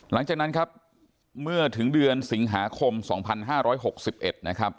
หลังจากนั้นครับเมื่อถึงเดือนสิงหาคม๒๕๖๑นะครับ